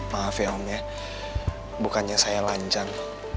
maaf ya om ya bukannya saya lancang